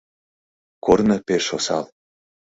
Корно пеш осал.